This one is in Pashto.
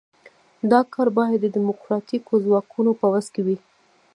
دا کار باید د ډیموکراتیکو ځواکونو په وس کې وي.